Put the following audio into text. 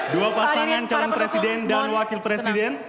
dua pasangan calon presiden dan wakil presiden